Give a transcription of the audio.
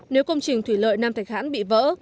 nếu công trình thủy lợi nam thạch hãn bị vỡ